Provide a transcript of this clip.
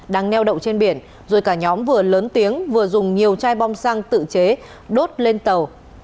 đang neo đậu trên biển rồi cả nhóm vừa lớn tiếng vừa dùng nhiều chai bom xăng tự chế đốt lên tàu